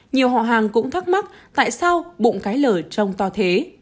nhiều họ hàng cũng thắc mắc tại sao bụng cái lở trông to thế